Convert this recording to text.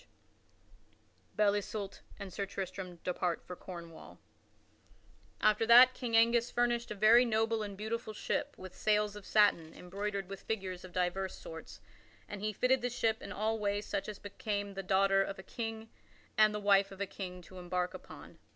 [Sidenote: Belle Isoult and Sir Tristram depart for Cornwall] After that, King Angus furnished a very noble and beautiful ship with sails of satin embroidered with figures of divers sorts, and he fitted the ship in all ways such as became the daughter of a king and the wife of a king to embark upon.